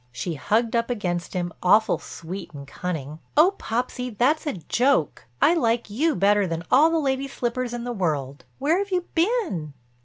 She hugged up against him, awful sweet and cunning. "Oh, Popsy, that's a joke. I like you better than all the lady slippers in the world. Where have you been?"